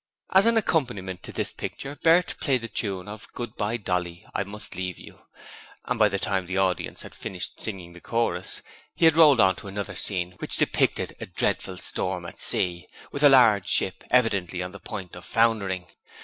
As an accompaniment to this picture Bert played the tune of 'Goodbye, Dolly, I must leave you', and by the time the audience had finished singing the chorus he had rolled on another scene, which depicted a dreadful storm at sea, with a large ship evidently on the point of foundering.